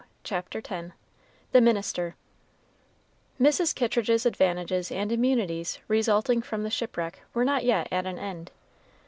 CHAPTER X THE MINISTER Mrs. Kittridge's advantages and immunities resulting from the shipwreck were not yet at an end.